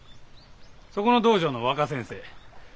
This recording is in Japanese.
そこの道場の若先生。